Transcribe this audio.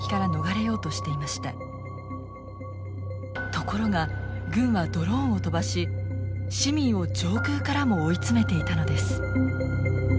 ところが軍はドローンを飛ばし市民を上空からも追い詰めていたのです。